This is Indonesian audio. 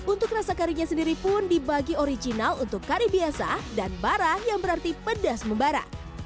untuk rasa karinya sendiri pun dibagi original untuk kari biasa dan bara yang berarti pedas membara